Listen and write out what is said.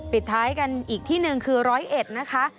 ปิดท้ายกันอีกที่หนึ่งคือร้อยเอ็ดนะคะ